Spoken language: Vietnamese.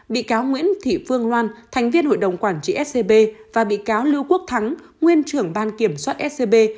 bị cáo nguyễn thị phương loan thành viên hội đồng quản trị scb và bị cáo lưu quốc thắng nguyên trưởng ban kiểm soát scb